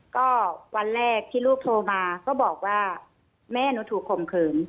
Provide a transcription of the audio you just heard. ก็วันแรกที่ลูกโทรมาก็บอกว่าแม่หนูถูกข่มขืน